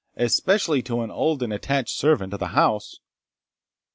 especially to an old and attached servant o' the house."